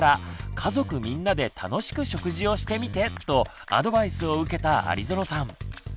「家族みんなで楽しく食事をしてみて！」とアドバイスを受けた有園さん。